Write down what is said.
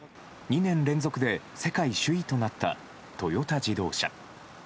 ２年連続で世界首位となったトヨタ自動車。